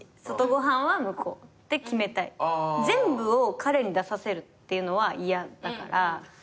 全部を彼に出させるっていうのは嫌だから。